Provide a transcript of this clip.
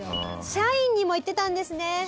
社員にも言ってたんですね